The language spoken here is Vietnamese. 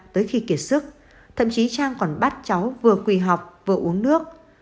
tới khi kiệt sức thậm chí trang còn bắt cháu vừa quỳ học vừa uống nước